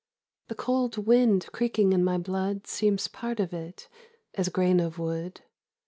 The cold wind creaking in my blood Seems part of it, as grain of wood.